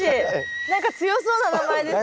何か強そうな名前ですね。